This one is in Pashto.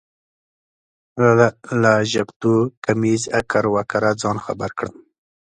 له ژبتوکمیز اکر و کره ځان خبر کړم.